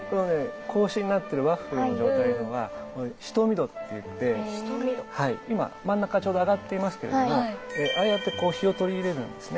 格子になってるワッフルの状態のは「蔀戸」って言って今真ん中ちょうど上がっていますけれどもああやってこう日を取り入れるんですね。